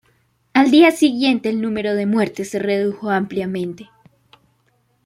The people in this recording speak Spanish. Al día siguiente, el número de muertes se redujo ampliamente.